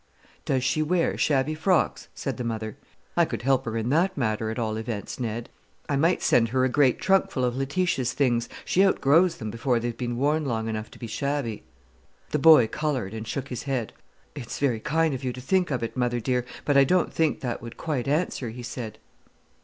"Does she wear shabby frocks?" said the mother. "I could help her in that matter, at all events, Ned. I might send her a great trunk full of Letitia's things: she outgrows them before they have been worn long enough to be shabby." The boy coloured, and shook his head. "It's very kind of you to think of it, mother dear; but I don't think that would quite answer," he said.